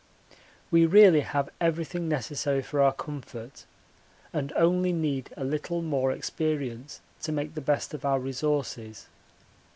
We really have everything necessary for our comfort and only need a little more experience to make the best of our resources.